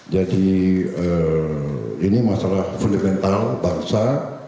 jadi ini masalah fundamental bangsa